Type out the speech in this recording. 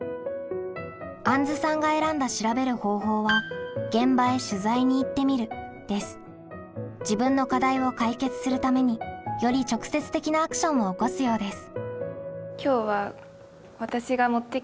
あんずさんが選んだ調べる方法は自分の課題を解決するためにより直接的なアクションを起こすようです。